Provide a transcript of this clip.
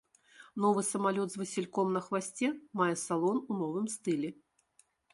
Новы самалёт з васільком на хвасце мае салон у новым стылі.